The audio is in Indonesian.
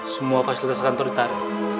semua fasilitas kantor ditarik